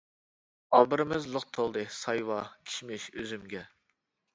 ئامبىرىمىز لىق تولدى، سايۋا، كىشمىش ئۈزۈمگە.